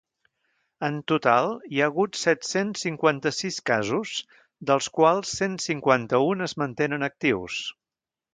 En total, hi ha hagut set-cents cinquanta-sis casos, dels quals cent cinquanta-un es mantenen actius.